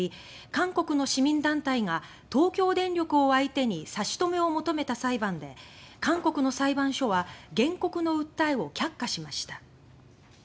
韓国の市民団体が東京電力を相手に差し止めを求めた裁判で韓国の裁判所は原告の訴えを却下しました。